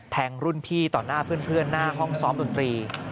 แทงรุ่นพี่ต่อหน้าเพื่อนหน้าห้องซ้อมดนตรี